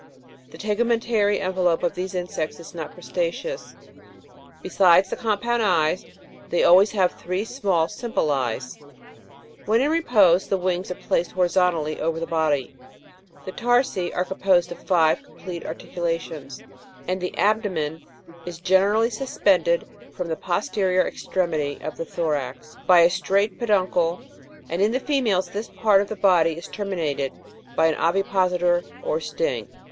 The tegumen tary envelope of these insects is not crustaceous ; besides the compound eyes, they always have, three small simple eyes. When in repose the wings are placed horizontally over the body. The tarsi are composed of five complete articulations ; and the abdomen is generally suspended from the posterior extremity of the thorax, by a straight peduncle; and in the females this part of the body is terminated by an ovipositor or sting.